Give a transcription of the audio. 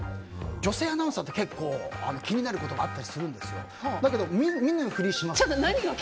女性アナウンサーって結構気になることがあったりするんですけど何を見ないふり？